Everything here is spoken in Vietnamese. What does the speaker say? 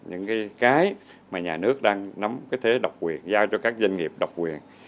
những cái mà nhà nước đang nắm cái thế độc quyền giao cho các doanh nghiệp độc quyền